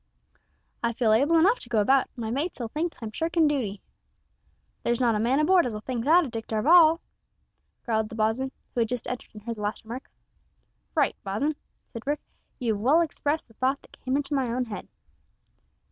"I feel able enough to go about, and my mates'll think I'm shirkin' dooty." "There's not a man a board as'll think that o' Dick Darvall," growled the boatswain, who had just entered and heard the last remark. "Right, bo's'n," said Brooke, "you have well expressed the thought that came into my own head."